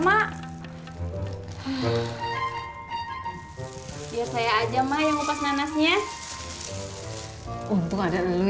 mak ya saya aja mah yang pas nanasnya untuk ada lalu